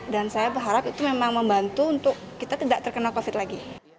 dan saya berharap itu memang membantu untuk kita tidak terkena covid lagi